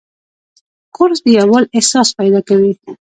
کورس د یووالي احساس پیدا کوي.